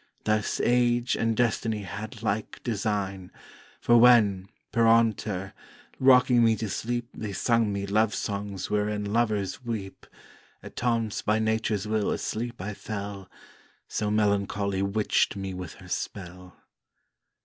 Thus age and destiny had like design: For when, peraunter, rocking me to sleep They sung me Love songs wherein lovers weep, Attonce by Nature's will asleep I fell, So Melancholy witcht me with her spell!